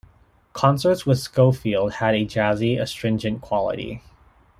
Concerts with Scofield had a jazzy, astringent quality.